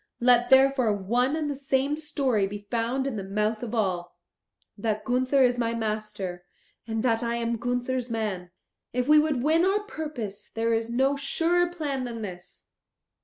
Let therefore one and the same story be found in the mouth of all that Gunther is my master, and that I am Gunther's man. If we would win our purpose there is no surer plan than this."